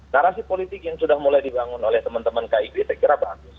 narasi politik yang sudah mulai dibangun oleh teman teman kib saya kira bagus